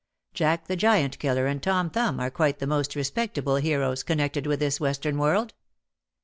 Jack the Giant Killer and Tom Thumb are quite the most respectable heroes connected with this western world.